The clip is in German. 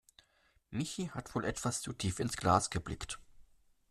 Michi hat wohl etwas zu tief ins Glas geblickt.